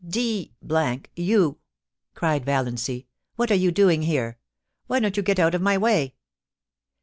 * D — n you,' cried Vallancy. * What are you doing here ? Why don't you get out of my way